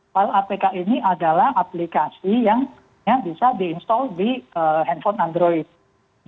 file apk ini adalah aplikasi yang bisa di install di handphone android